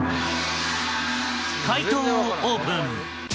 解答をオープン。